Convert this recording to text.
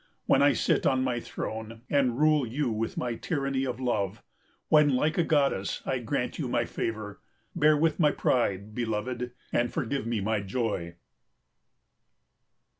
When I sit on my throne and rule you with my tyranny of love, when like a goddess I grant you my favour, bear with my pride, beloved, and forgive me my joy.